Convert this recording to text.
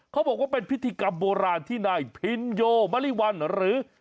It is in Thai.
เขาบอกว่าเป็นพิธีกรรมโบราณที่นายพินโยมริวัลหรือ